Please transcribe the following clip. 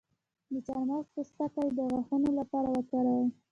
د چارمغز پوستکی د غاښونو لپاره وکاروئ